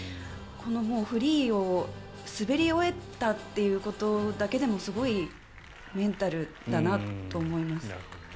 このフリーを滑り終えたということだけでもすごいメンタルだなと思います。